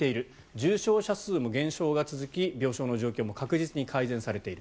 重症者数も減少が続き病床の状況も確実に改善されている。